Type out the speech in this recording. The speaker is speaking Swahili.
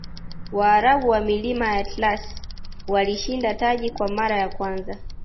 waarabu wa milima ya atlas walishinda taji kwa mara ya kwanza